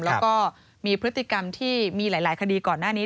แล้วก็มีพฤติกรรมที่มีหลายคดีก่อนหน้านี้